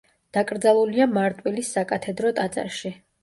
დაკრძალულია მარტვილის საკათედრო ტაძარში.